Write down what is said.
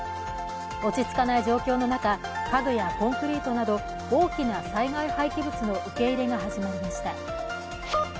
落ち着かない状況の中家具やコンクリートなど、大きな災害廃棄物の受け入れが始まりました。